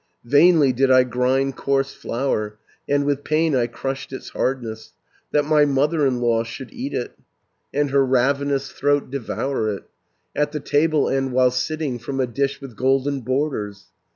"Vainly did I grind coarse flour, And with pain I crushed its hardness, 590 That my mother in law should eat it, And her ravenous throat devour it, At the table end while sitting, From a dish with golden borders.